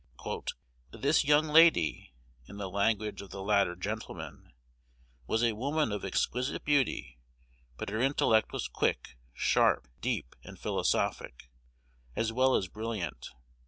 "This young lady," in the language of the latter gentleman, "was a woman of exquisite beauty; but her intellect was quick, sharp, deep, and philosophic, as well as brilliant.